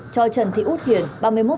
cho trần thị út hiền ba mươi một tuổi